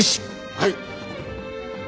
はい！